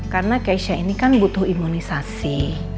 karena keisha ini kan butuh imunisasi